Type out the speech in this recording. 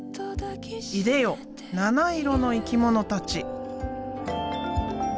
いでよ７色の生き物たち！